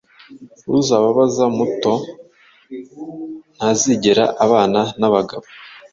Uzababaza muto Ntazigera abana nabagabo.